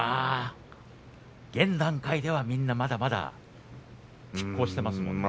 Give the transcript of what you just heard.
現段階ではみんなまだまだきっ抗していますね。